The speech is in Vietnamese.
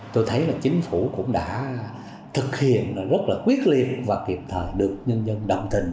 tôi thấy là chính phủ cũng đã thực hiện rất là quyết liệt và kịp thời được nhân dân đồng tình